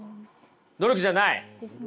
努力じゃない。